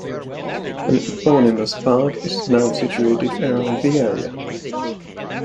An eponymous park is now situated around the area.